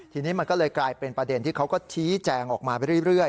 ทีนี้มันก็เลยกลายเป็นประเด็นที่เขาก็ชี้แจงออกมาไปเรื่อย